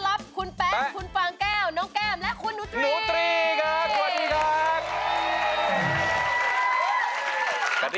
และคุณหนูตรีครับสวัสดีครับหนูตรี